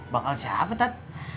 bakal siapa tat